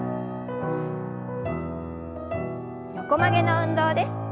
横曲げの運動です。